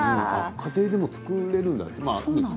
家庭でも作れるんだって。